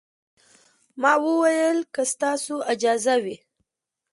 ما وويل که ستاسو اجازه وي.